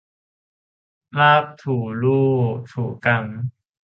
ลากถูลู่ถูกัง